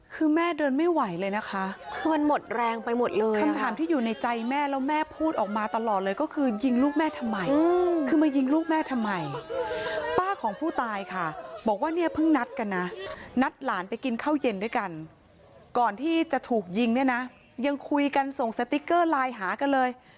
คือแม่เดินไม่ไหวเลยนะคะคือมันหมดแรงไปหมดเลยคำถามที่อยู่ในใจแม่แล้วแม่พูดออกมาตลอดเลยก็คือยิงลูกแม่ทำไมคือมายิงลูกแม่ทำไมป้าของผู้ตายค่ะบอกว่าเนี่ยเพิ่งนัดกันนะนัดหลานไปกินข้าวเย็นด้วยกันก่อนที่จะถูกยิงเนี่ยนะยังคุยกันส่งสติ๊กเกอร์ไลน์หากันเลย